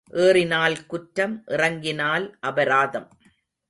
ஏறினால் குற்றம் இறங்கினால் அபராதம்.